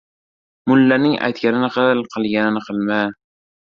• Mullaning aytganini qil, qilganini qilma.